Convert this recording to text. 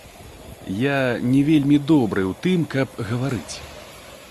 Я не вельмі добры ў тым, каб гаварыць.